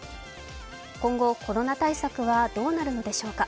今後、コロナ対策はどうなるのでしょうか。